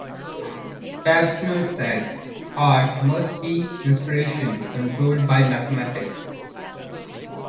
Pevsner said: Art must be inspiration controlled by mathematics.